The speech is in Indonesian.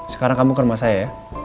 sekarang kamu ke rumah saya ya